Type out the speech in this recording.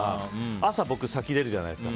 朝、僕が先出るじゃないですか。